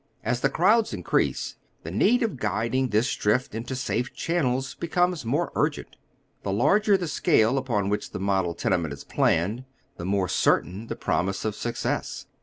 As the crowds increase, the need of guiding this drift into safe channels becomes more urgent. The larger the scale upon which the model tenement is planned, the more certain the promise of success.